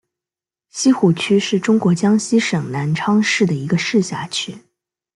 西湖区是中国江西省南昌市的一个市辖区。